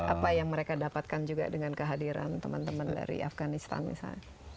apa yang mereka dapatkan juga dengan kehadiran teman teman dari afganistan misalnya